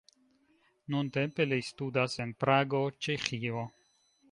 Nuntempe li studas en Prago, Ĉeĥio.